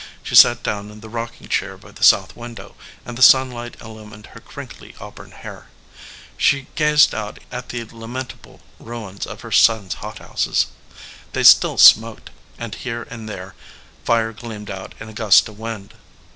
She sat down in the rocking chair by the south window, and the sun light illumined her crinkly auburn hair. She gazed out at the lamentable ruins of her son s hothouses. They still smoked, and here and there fire gleamed out in a gust of wind.